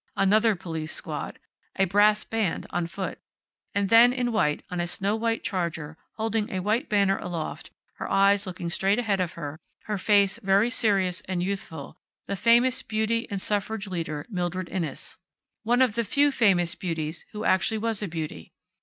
Another police squad. A brass band, on foot. And then, in white, on a snow white charger, holding a white banner aloft, her eyes looking straight ahead, her face very serious and youthful, the famous beauty and suffrage leader, Mildred Inness. One of the few famous beauties who actually was a beauty.